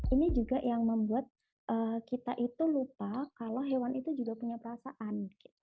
ini juga yang membuat kita itu lupa kalau hewan itu juga punya perasaan